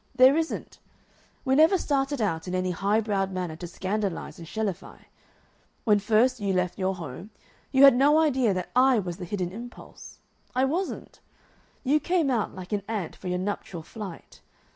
There isn't. We never started out in any high browed manner to scandalize and Shelleyfy. When first you left your home you had no idea that I was the hidden impulse. I wasn't. You came out like an ant for your nuptial flight.